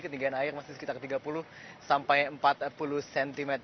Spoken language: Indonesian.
ketinggian air masih sekitar tiga puluh sampai empat puluh cm